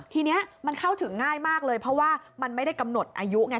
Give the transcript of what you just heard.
ทีนี้มันเข้าถึงง่ายมากเลยเพราะว่ามันไม่ได้กำหนดอายุไง